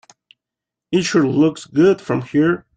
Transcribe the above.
It sure looks good from here.